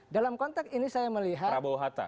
dalam konteks ini saya melihat bahwa